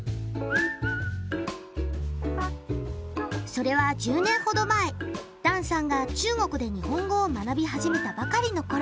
それは１０年ほど前段さんが中国で日本語を学び始めたばかりの頃。